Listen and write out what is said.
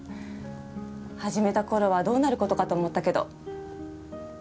始めた頃はどうなることかと思ったけど。